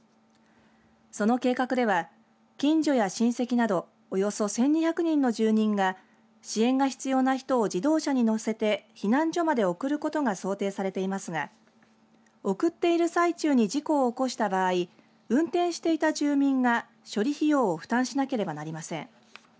その計画では近所や親戚などおよそ１２００人の住民が支援が必要な人を自動車に乗せて避難所まで送ることが想定されていますが送っている際中に事故を起こした場合運転していた住民が処理費用を負担しなければなりません。